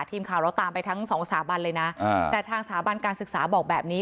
ทีมข่าวเราตามไปทั้งสองสถาบันเลยนะแต่ทางสถาบันการศึกษาบอกแบบนี้